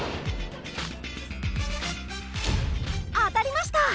当たりました！